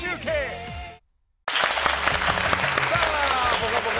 「ぽかぽか」